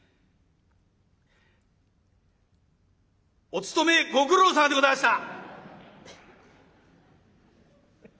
「お勤めご苦労さまでございました」。